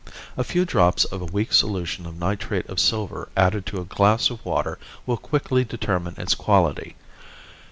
A few drops of a weak solution of nitrate of silver added to a glass of water will quickly determine its quality.